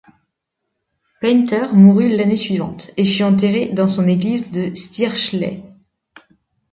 Painter mourut l'année suivante et fut enterré dans son église de Stirchley.